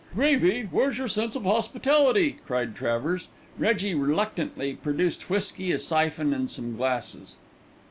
"Gravy, where's your sense of hospitality?" cried Travers. Reggie reluctantly produced whisky, a syphon, and some glasses.